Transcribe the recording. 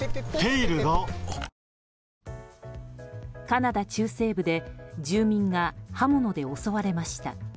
カナダ中西部で住民が刃物で襲われました。